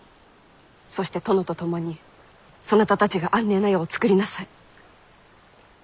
そして殿と共にそなたたちが安寧な世をつくりなさい。